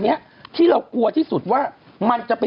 เนี้ยที่เรากลัวที่สุดว่ามันจะเป็น